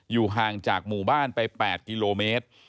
ห่างจากหมู่บ้านไป๘กิโลเมตร